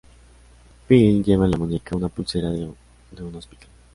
Phil lleva en la muñeca una pulsera de un hospital.